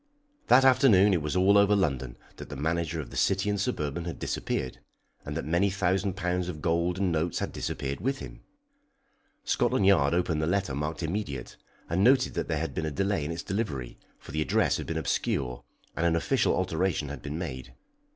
That afternoon it was all over London that the manager of the City and Suburban had disappeared, and that many thousand pounds of gold and notes had disappeared with him. Scotland Yard opened the letter marked "immediate," and noted that there had been a delay in its delivery, for the address had been obscure, and an official alteration had been made.